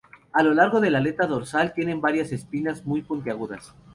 A lo largo de la aleta dorsal tienen varias espinas muy puntiagudas.